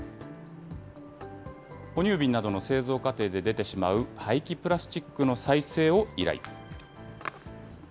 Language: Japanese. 哺乳瓶などの製造過程で出てしまう廃棄プラスチックの再生を依頼。